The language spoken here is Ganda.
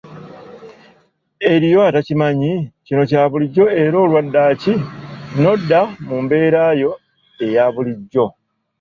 Eri oyo atakimanyi , kino kya bulijjo era olwa ddaaki n'odda mu mbeera yo eya bulijjo.